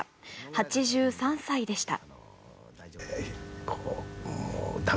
８３歳でした。